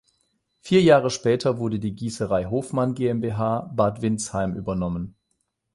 Vier Jahre später wurde die Gießerei Hofmann GmbH, Bad Windsheim übernommen.